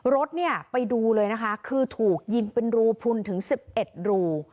รถไปดูเลยคือถูกยิงเป็นรูพุนถึง๑๑รู